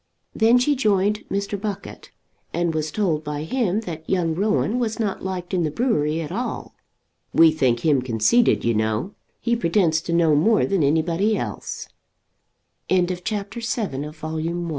Then she rejoined Mr. Buckett, and was told by him that young Rowan was not liked in the brewery at all. "We think him conceited, you know. He pretends to know more than anybody else." CHAPTER VIII. AN ACCOUNT OF MRS.